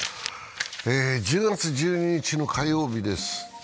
１０月１２日の火曜日です。